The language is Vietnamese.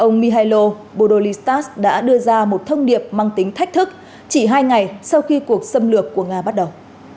ông mihelo boristas đã đưa ra một thông điệp mang tính thách thức chỉ hai ngày sau khi cuộc xâm lược của nga bắt đầu